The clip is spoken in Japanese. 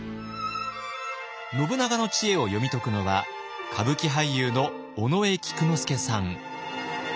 信長の知恵を読み解くのは歌舞伎俳優の尾上菊之助さん。